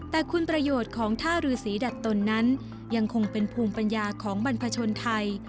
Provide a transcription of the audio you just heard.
แต่คุณประโยชน์ของท่ารือสีดัดตนนั้นยังคงเป็นภูมิปัญญาของบรรพชนไทย